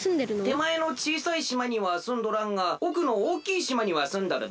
てまえのちいさいしまにはすんどらんがおくのおおきいしまにはすんどるぞ。